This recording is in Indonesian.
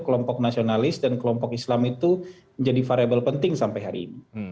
kelompok nasionalis dan kelompok islam itu menjadi variable penting sampai hari ini